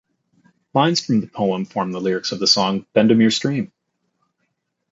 Lines from the poem form the lyrics of the song "Bendemeer Stream".